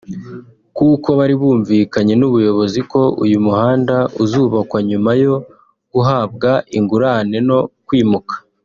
kuko bari bumvikanye n’ubuyobozi ko uyu muhanda uzubakwa nyuma yo guhabwa ingurane no kwimuka